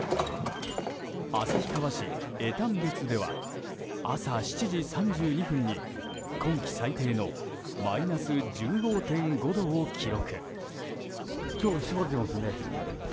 旭川市江丹別では朝７時３２分に今季最低のマイナス１５．５度を記録。